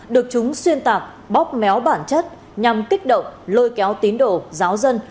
được chúng xuyên tạc bóp méo bản chất nhằm kích động lôi kéo tín đồ giáo dân